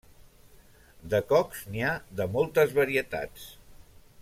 De cócs n'hi ha de moltes varietats.